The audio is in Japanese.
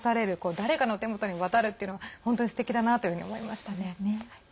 誰かの手元に渡るというのは本当にすてきだなというふうに思いましたね。